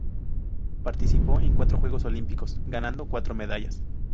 Participó en cuatro Juegos Olímpicos, ganando cuatro medallas.